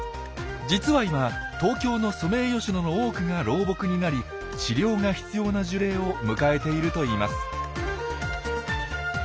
実は今東京のソメイヨシノの多くが老木になり治療が必要な樹齢を迎えているといいます。